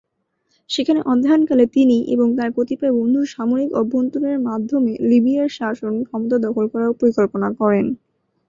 সেখানে অধ্যয়ন কালে তিনি এবং তার কতিপয় বন্ধু সামরিক অভ্যুত্থানের মাধ্যমে লিবিয়ার শাসন ক্ষমতা দখল করার পরিকল্পনা করেন।